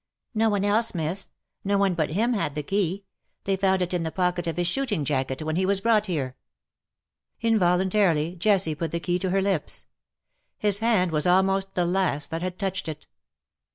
"No one else, Miss. No one but him had the key. They found it in the pocket of his shooting jacket when he was brought here.'^ Involuntarily, Jessie put the key to her lips. His hand was almost the last that had touched it.